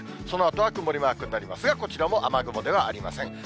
そのあとは曇りマークになりますが、こちらも雨雲ではありません。